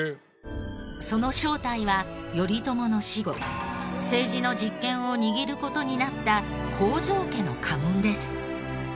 その正体は頼朝の死後政治の実権を握る事になった北条家の家紋です。